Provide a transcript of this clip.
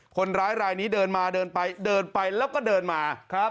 คนร้ายรายนี้เดินมาเดินไปเดินไปแล้วก็เดินมาครับ